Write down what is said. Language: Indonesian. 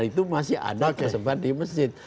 itu masih ada tersebar di masjid